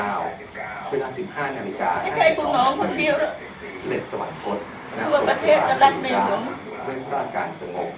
ทั่วประเทศจนรักเลยเหรอ